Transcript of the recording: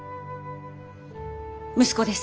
息子です。